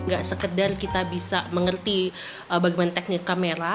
gak sekedar kita bisa mengerti bagaimana teknik kamera